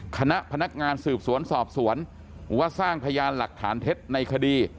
คณะพนักงานสืบสวนสอบสวนว่าสร้างพยานหลักฐานเท็จในคดี